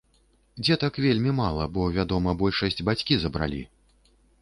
Дзетак вельмі мала, бо, вядома, большасць бацькі забралі.